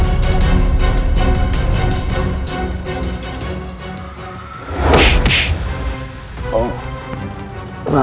aku akan mencari kada prabu siliwang